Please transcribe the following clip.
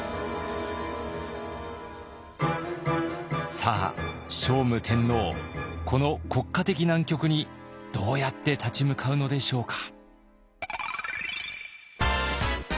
さあ聖武天皇この国家的難局にどうやって立ち向かうのでしょうか。